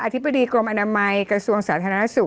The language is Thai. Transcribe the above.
ธิบดีกรมอนามัยกระทรวงสาธารณสุข